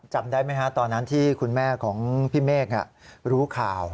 จำได้ไหมฮะตอนนั้นที่คุณแม่ของพี่เมฆรู้ข่าว